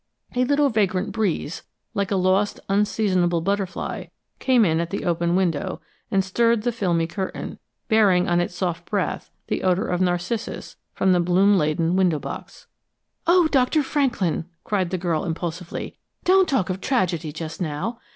A little vagrant breeze, like a lost, unseasonable butterfly, came in at the open window and stirred the filmy curtain, bearing on its soft breath the odor of narcissus from the bloom laden window box. "Oh, Doctor Franklin!" cried the girl, impulsively. "Don't talk of tragedy just now!